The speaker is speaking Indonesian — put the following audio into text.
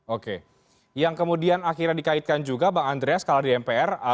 oke yang kemudian akhirnya dikaitkan juga bang andreas kalau di mpr